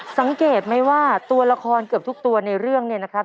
สังเกตไหมว่าตัวละครเกือบทุกตัวในเรื่องเนี่ยนะครับ